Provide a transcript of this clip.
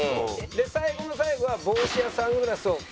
最後の最後は帽子やサングラスを勝手に取る。